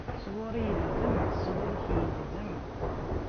S ɣuṛ-i ilzem, s ɣuṛ-k igzem.